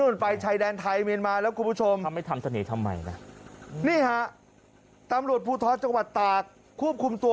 แล้วไปอยู่ตากละฮะหลานสาว